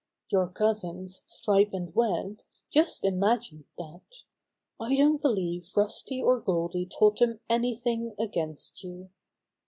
Your cousins. Stripe and Web, just imagined that. I don't believe Rusty or Goldy told them any thing against you."